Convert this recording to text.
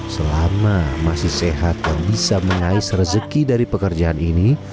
selama masih sehat dan bisa mengais rezeki dari pekerjaan ini